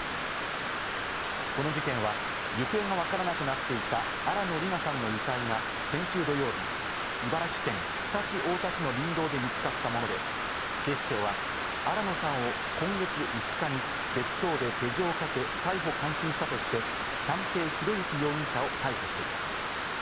この事件は行方がわからなくなっていた新野りなさんの遺体が先週土曜日、茨城県常陸太田市の林道で見つかったもので、警視庁は新野さんを今月５日に別荘で手錠をかけ、逮捕監禁したとして三瓶博幸容疑者を逮捕しています。